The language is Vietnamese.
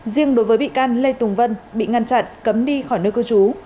riêng đối với bị can lê tùng vân bị ngăn chặn cấm đi khỏi nơi cư trú